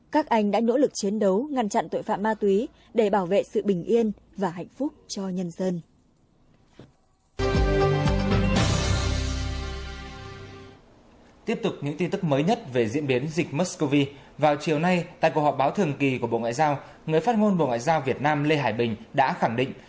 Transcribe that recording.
các anh đã nỗ lực chiến đấu ngăn chặn tội phạm ma túy để bảo vệ sự bình yên và hạnh phúc cho nhân dân